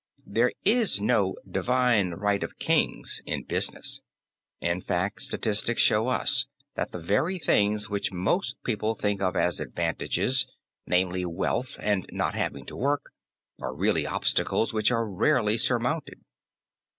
There is no "divine right of kings" in business. In fact, statistics show us that the very things which most people think of as advantages, namely, wealth and "not having to work" are really obstacles which are rarely surmounted.